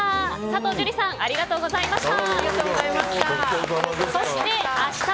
佐藤樹里さんありがとうございました。